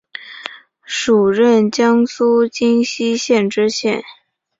署任江苏荆溪县知县。